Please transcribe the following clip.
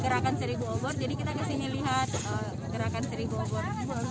gerakan seribu obor jadi kita kesini lihat gerakan seribu obor